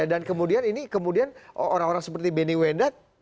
dan kemudian ini orang orang seperti benny wendat